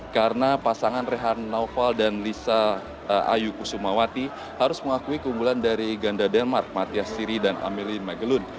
karena pasangan rehan naupal dan lisa ayuku sumawati harus mengakui keunggulan dari ganda denmark mathias siri dan amelie magelun